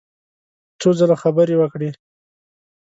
څو ځله خبرې وکړې.